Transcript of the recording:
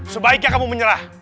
sebaiknya kamu menyerah